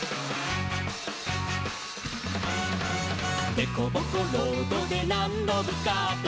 「でこぼこロードでなんどぶつかっても」